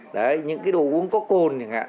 đấy những cái đồ uống có cồn